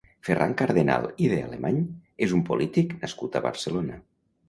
Ferran Cardenal i de Alemany és un polític nascut a Barcelona.